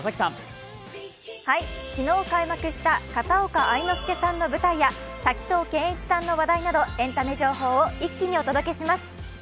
昨日開幕した片岡愛之助さんの舞台や滝藤賢一さんの話題など、エンタメ情報を一気にお届けします。